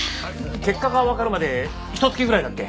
結果がわかるまでひと月ぐらいだっけ？